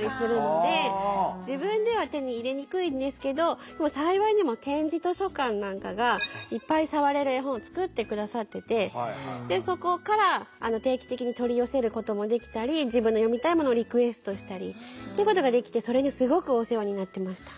ただやっぱり幸いにも点字図書館なんかがいっぱい触れる絵本を作って下さっててでそこから定期的に取り寄せることもできたり自分の読みたいものをリクエストしたりってことができてそれにすごくお世話になってました。